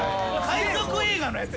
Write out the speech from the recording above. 海賊映画のやつ。